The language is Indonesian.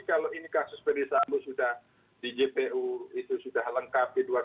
kalau ini kasus perisamu sudah di jpu itu sudah halang kb dua puluh satu